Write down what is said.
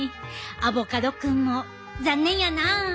アボカドくんも残念やな。